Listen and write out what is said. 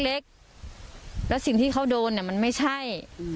เล็กแล้วสิ่งที่เขาโดนเนี่ยมันไม่ใช่